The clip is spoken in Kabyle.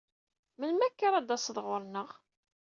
Melmi akka ara d-taseḍ ɣur-neɣ?